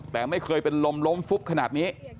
แต่ไม่เคยเป็นลมล้มฟุบขนาดนี้